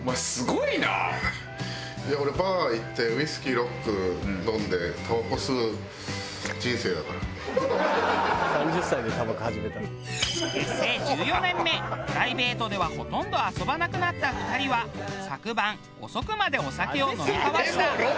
いや俺プライベートではほとんど遊ばなくなった２人は昨晩遅くまでお酒を飲み交わした。